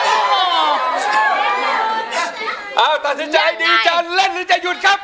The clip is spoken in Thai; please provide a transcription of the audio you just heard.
เอาตัวเศรียดีจังเล่นเศรียดหยุดครับ